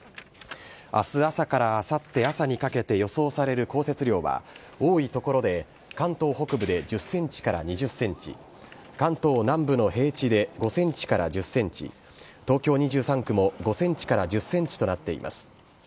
あす朝からあさって朝にかけて予想される降雪量は、多い所で、関東北部で１０センチから２０センチ、関東南部の平地で５センチから１０センチ、東京２３区も５センチから１０センチとなっています。